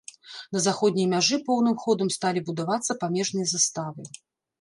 На заходняй мяжы поўным ходам сталі будавацца памежныя заставы.